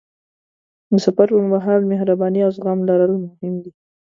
د سفر پر مهال مهرباني او زغم لرل مهم دي.